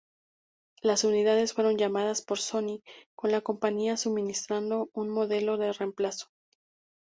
Las unidades fueron llamadas por Sony, con la compañía suministrando un modelo de reemplazo.